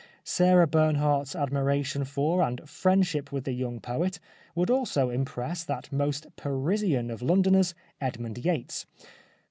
Sarah Bernhardt 's admiration for and friendship with the young poet would also impress that most Parisian of Londoners, Edmund Yates.